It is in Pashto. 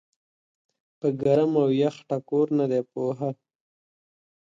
پۀ ګرم او يخ ټکور نۀ دي پوهه